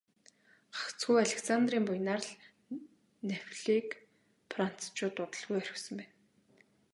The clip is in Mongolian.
Гагцхүү Александрын буянаар л Неаполийг францчууд удалгүй орхисон байна.